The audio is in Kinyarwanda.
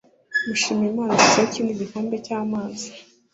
Mushimiyimana yisutseho ikindi gikombe cya kawa